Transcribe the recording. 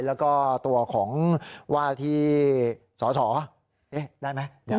แล้วก็ตัวของวาธิสอสอเอ๊ะได้ไหม